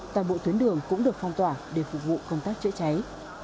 toàn bộ tuyến đường cũng được phong tỏa để phục vụ công tác chữa cháy